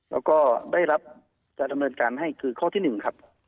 แล้วก็ได้รับจะดำเนินการให้คือข้อที่๑ครับ